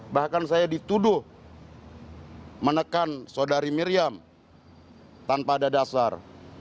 bahkan saya dituduh menekan saudari miriam tanpa ada dasar